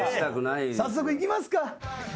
早速いきますか。